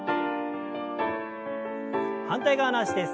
反対側の脚です。